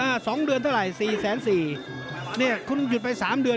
เอ่อ๒เดือนเท่าไหร่๔๔๐๐๐๐๐นี่คุณหยุดไป๓เดือน